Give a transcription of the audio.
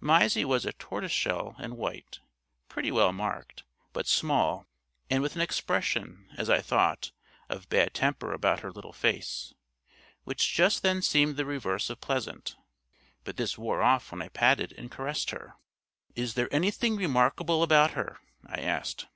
Mysie was a tortoise shell and white, pretty well marked, but small and with an expression, as I thought, of bad temper about her little face, which just then seemed the reverse of pleasant; but this wore off when I patted and caressed her. "Is there anything remarkable about her?" I asked.